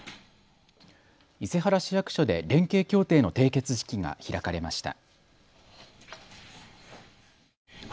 伊勢原市役所で連携協定の締結式が開かれました。